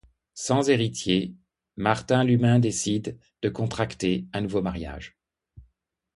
Sans héritier, Martin l'Humain décide de contracter un nouveau mariage.